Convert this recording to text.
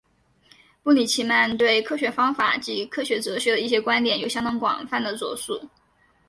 布里奇曼对科学方法及科学哲学的一些观点有相当广泛的着述。